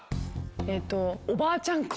えっとおばあちゃん子。